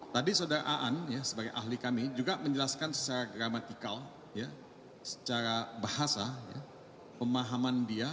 tadi saudara aan sebagai ahli kami juga menjelaskan secara gramatikal secara bahasa pemahaman dia